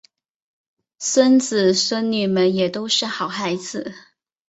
孙子孙女们也都是好孩子